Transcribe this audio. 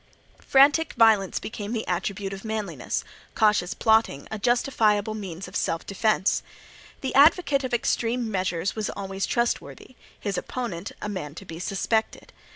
Frantic violence became the attribute of manliness; cautious plotting, a justifiable means of self defence. The advocate of extreme measures was always trustworthy; his opponent a man to be suspected.